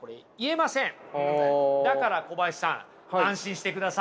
だから小林さん安心してください。